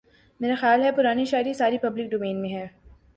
میرا خیال ہے پرانی شاعری ساری پبلک ڈومین میں ہے